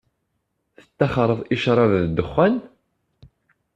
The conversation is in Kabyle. Tettaxxṛeḍ i ccṛab d dexxan?